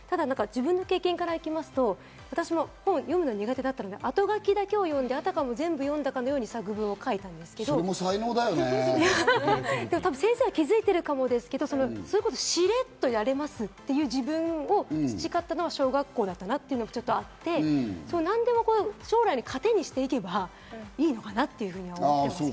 自分の経験からいきますと、私も本を読むのが苦手だったので、あとがきだけを読んで、あたかも本を読んだかのように感想文を書いたんですが、そういうことをしれっとやれますという自分を培ったのは小学校だったなというのはちょっとあって、何でも将来の糧にしていけばいいのかなと思います。